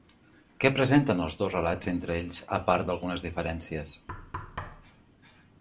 Què presenten els dos relats entre ells a part d'algunes diferències?